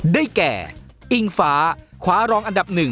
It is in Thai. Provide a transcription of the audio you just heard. ได้แก่อิ่งฟ้าคว้ารองอันดับหนึ่ง